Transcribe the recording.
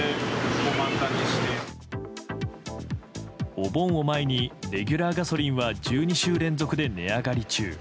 お盆を前にレギュラーガソリンは１２週連続で値上がり中。